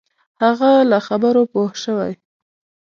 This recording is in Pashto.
هغه له خبرو پوه شوی.